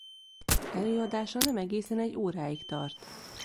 Előadása nem egészen egy óráig tart.